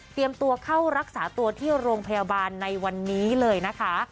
ตัวเข้ารักษาตัวที่โรงพยาบาลในวันนี้เลยนะคะ